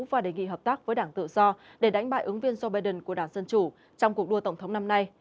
và đề nghị hợp tác với đảng tự do để đánh bại ứng viên joe biden của đảng dân chủ trong cuộc đua tổng thống năm nay